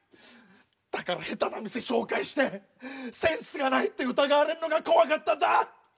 だから下手な店紹介してセンスがないって疑われるのが怖かったんだ！